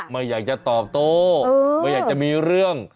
ไม่อยากจะตอบโต้ไม่อยากจะมีเรื่อง